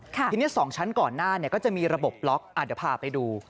ทีนี้๒ชั้นก่อนหน้าก็จะมีระบบล็อกเดี๋ยวพาไปดู